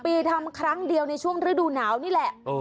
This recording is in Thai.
ปีทำครั้งเดียวในช่วงฤดูหนาวนี่แหละ